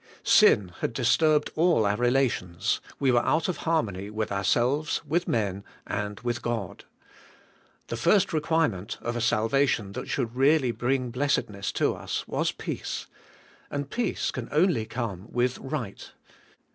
Sin had disturbed all our relations; we were out of harmony with ourselves, with men, and with God. The first requirement of a salvation that should really bring blessedness to us was peace. And peace can only come with right.